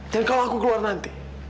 dan kalau aku keluar nanti